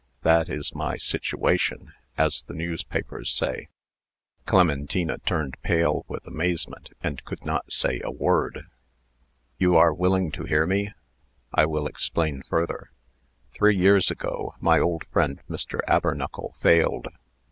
That is my 'situation,' as the newspapers say." Clementina turned pale with amazement, and could not say a word. "You are willing to hear me? I will explain further. Three years ago, my old friend Mr. Abernuckle failed.